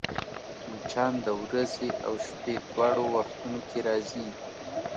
مچان د ورځي او شپې دواړو وختونو کې راځي